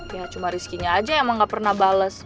ya cuma rizkynya aja emang nggak pernah bales